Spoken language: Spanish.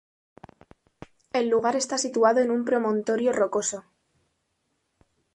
El lugar está situado en un promontorio rocoso.